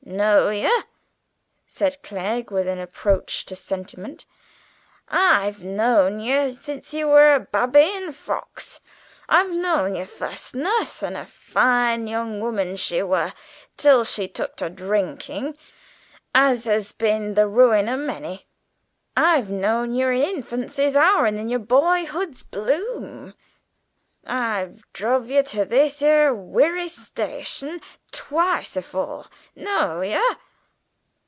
"Know yer?" said Clegg, with an approach to sentiment: "I've knowed yer when you was a babby in frocks. I've knowed yer fust nuss (and a fine young woman she were till she took to drinking, as has been the ruin of many). I've knowed yer in Infancy's hour and in yer byhood's bloom! I've druv yer to this 'ere werry station twice afore. Know yer!"